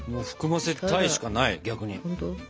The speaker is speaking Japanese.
含ませたいしかない逆に。